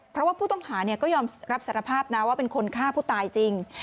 เพราะว่าผู้ต้องหาก็ยอมรับสารภาพนะว่าเป็นคนฆ่าผู้ตายจริง